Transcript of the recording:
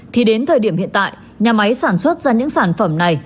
thì đến thời điểm hiện tại nhà máy sản xuất ra những sản phẩm này